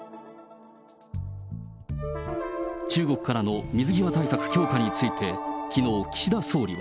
中国からの水際対策強化について、きのう、岸田総理は。